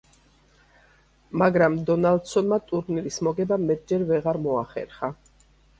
მაგრამ დონალდსონმა ტურნირის მოგება მეტჯერ ვეღარ მოახერხა.